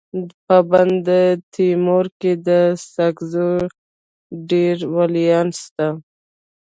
په بندتیمور کي د ساکزو ډير ولیان سته.